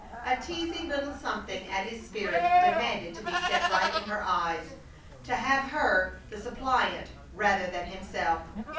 A teasing little something at his spirit demanded to be set right in her eyes to have her the suppliant rather than himself.